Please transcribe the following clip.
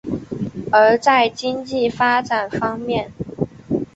而在经济发展方面。